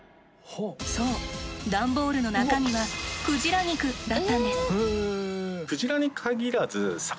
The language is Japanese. そう段ボールの中身はクジラ肉だったんです。